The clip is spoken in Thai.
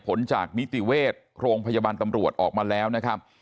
ผลจากนิติเวชโรงพยาบาลตำรวจออกมาแล้วนะครับ